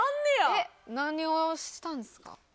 えっ何をしたんですか？